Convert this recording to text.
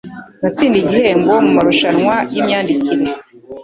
Natsindiye igihembo mumarushanwa yimyandikire.